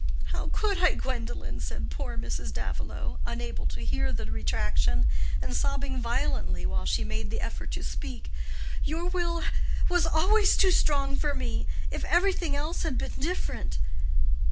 "How could I, Gwendolen?" said poor Mrs. Davilow, unable to hear the retraction, and sobbing violently while she made the effort to speak. "Your will was always too strong for me—if everything else had been different."